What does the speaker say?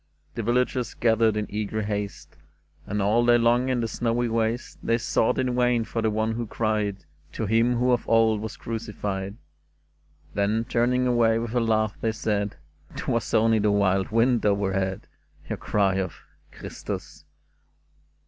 The villagers gathered in eager haste, And all day long in the snowy waste They sought in vain for the one who cried To Him who of old was crucified : Then, turning away with a laugh, they said, '' 'Twas only the wild wind overhead, Your cry of ' Christus